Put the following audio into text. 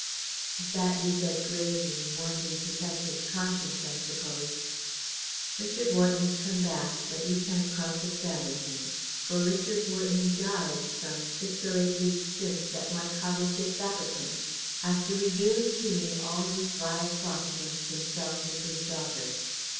"At that you said gravely wanting to touch his conscience, I suppose: "'Richard Wharton's come back, but you can't cross examine him. For Richard Wharton died some six or eight weeks since at my cottage at Babbicombe, after revealing to me all this vile plot against himself and his daughter.'